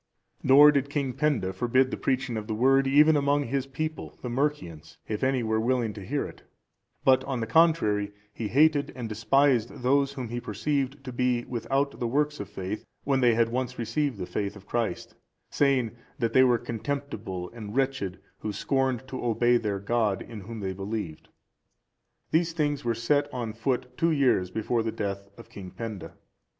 Nor did King Penda forbid the preaching of the Word even among his people, the Mercians, if any were willing to hear it; but, on the contrary, he hated and despised those whom he perceived to be without the works of faith, when they had once received the faith of Christ, saying, that they were contemptible and wretched who scorned to obey their God, in whom they believed. These things were set on foot two years before the death of King Penda.